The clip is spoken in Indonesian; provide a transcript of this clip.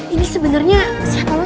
ini sebenarnya siapa lu sih